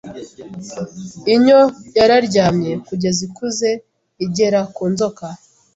Inyo yararyamye kugeza ikuze igera ku nzoka